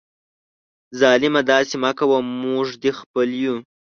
ظالمه داسي مه کوه ، موږ دي خپل یو